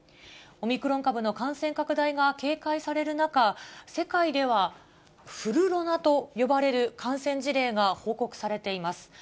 オミクロン株の感染拡大が警戒される中、世界ではフルロナと呼ばれる感染事例が報告されています。